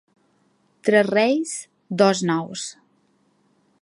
Tres reis, dos nous.